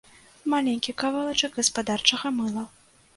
Маленькі кавалачак гаспадарчага мыла.